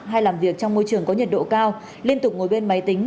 hay làm việc trong môi trường có nhiệt độ cao liên tục ngồi bên máy tính